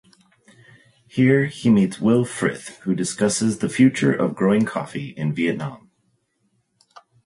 Here, he meets Will Frith who discusses the future of growing coffee in Vietnam.